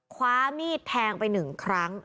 คว้ามีดแทงไปหนึ่งครั้ง